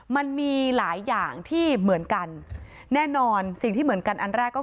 มันมีหลายอย่างที่เหมือนกันแน่นอนสิ่งที่เหมือนกันอันแรกก็คือ